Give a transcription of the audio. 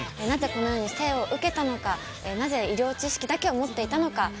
なぜ、この世に生を受けたのかなぜ医療知識だけを持っていたのか。